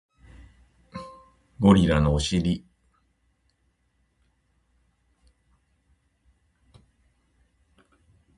ゴリラのお尻